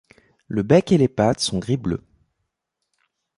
Le bec et les pattes sont gris bleu.